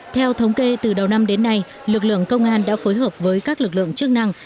theo thống kê từ đầu năm đến nay lực lượng công an đã phối hợp với các lực lượng chức năng